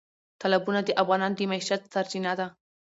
تالابونه د افغانانو د معیشت سرچینه ده.